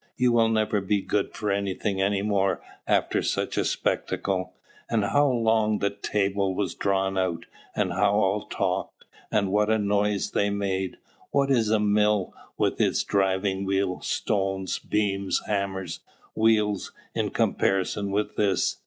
you will never be good for anything any more after such a spectacle. And how long the table was drawn out! and how all talked! and what a noise they made! What is a mill with its driving wheel, stones, beams, hammers, wheels, in comparison with this?